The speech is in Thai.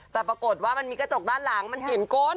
แต่ปรากฏว่ามันมีกระจกด้านหลังมันเห็นก้น